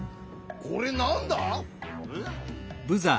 これなんだ？えっ？